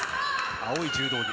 青い柔道着。